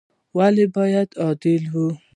والي باید عادل وي